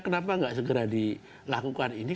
kenapa nggak segera dilakukan ini